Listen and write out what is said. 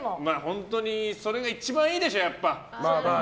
本当に、それが一番いいでしょ。